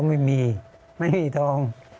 ไม่มีไม่มีทอง